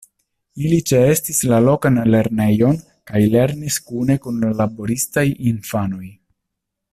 Ili ĉeestis la lokan lernejon kaj lernis kune kun laboristaj infanoj.